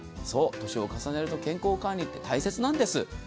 そう、年を重ねると健康管理って大切なんです。